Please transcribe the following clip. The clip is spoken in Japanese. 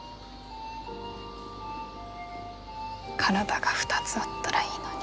体が２つあったらいいのに。